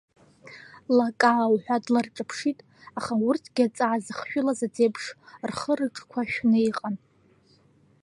Лакаа уҳәа дларҿаԥшит, аха урҭгьы аҵаа зыхшәылаз аӡеиԥш рхы-рыҿқәа шәны иҟан.